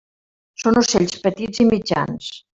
Són ocells petits i mitjans.